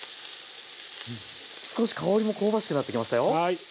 少し香りも香ばしくなってきましたよ。